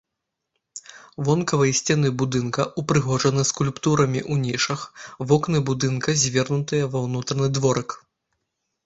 Вонкавыя сцены будынка ўпрыгожаны скульптурамі ў нішах, вокны будынка звернутыя ва ўнутраны дворык.